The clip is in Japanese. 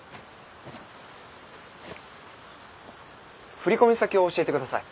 振込先を教えてください。